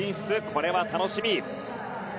これは楽しみ。